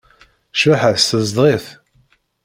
Cbaḥa-s tezdeɣ-it.